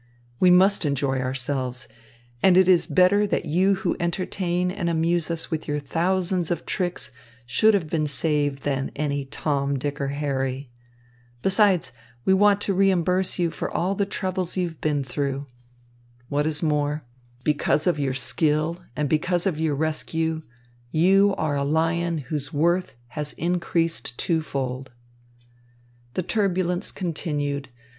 We must enjoy ourselves; and it is better that you who entertain and amuse us with your thousands of tricks should have been saved than any Tom, Dick, or Harry. Besides we want to reimburse you for all the troubles you have been through. What is more, because of your skill and because of your rescue, you are a lion whose worth has increased twofold." The turbulence continued.